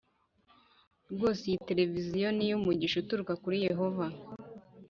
Rwose iyi televiziyo ni umugisha uturuka kuri Yehova